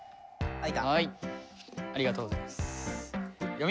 はい！